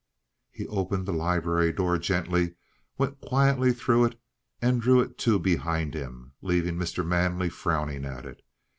He opened the library door gently, went quietly through it, and drew it to behind him, leaving Mr. Manley frowning at it.